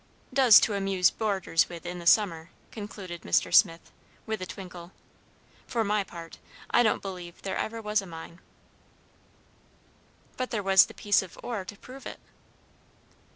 Does to amuse boarders with in the summer," concluded Mr. Swift, with a twinkle. "For my part, I don't believe there ever was a mine." "But there was the piece of ore to prove it."